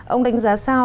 ông đánh giá sao